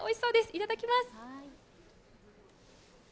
いただきます。